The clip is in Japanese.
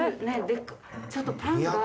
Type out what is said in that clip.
ちょっとパンが。